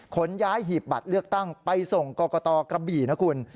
ขนย้ายหีบบัตรเลือกตั้งไปส่งกรกตกระบี่นะคุณ